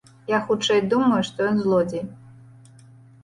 Я хутчэй думаю, што ён злодзей.